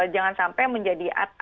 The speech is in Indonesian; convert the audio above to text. jangan sampai menjadi ada potensi pemilu